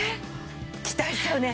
期待しちゃうね。